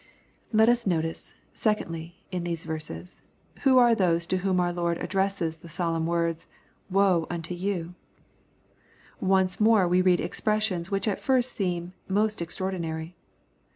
Let us notice, secondly, in these verses, who are those to whom our Lord addresses the solemn words, " Woe unto youJ' Once more we read expressions which at first sight seem most extraordinary.